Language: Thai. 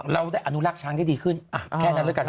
เราได้อนุรักษ์ช้างได้ดีขึ้นแค่นั้นแล้วกัน